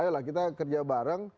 lah kita kerja bareng